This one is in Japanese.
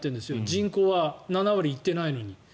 人口は７割行ってないのに。